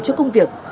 cho công việc